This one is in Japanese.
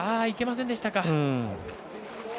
行けませんでしたか。